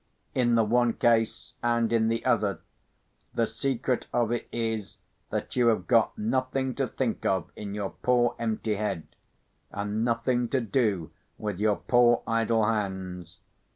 In the one case and in the other, the secret of it is, that you have got nothing to think of in your poor empty head, and nothing to do with your poor idle hands.